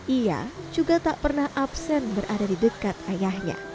ia juga tak pernah absen berada di dekat ayahnya